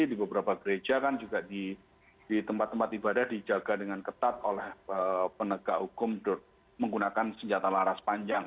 di beberapa gereja kan juga di tempat tempat ibadah dijaga dengan ketat oleh penegak hukum menggunakan senjata laras panjang